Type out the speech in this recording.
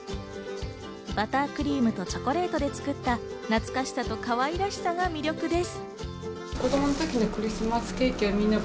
バタークリームとチョコレートで作った懐かしさとかわいらしさが魅力です。